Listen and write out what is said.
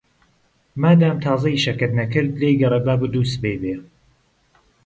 مادام تازە ئیشەکەت نەکرد، لێی گەڕێ با بۆ دووسبەی بێ.